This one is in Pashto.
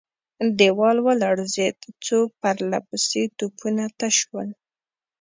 دېوال ولړزېد، څو پرله پسې توپونه تش شول.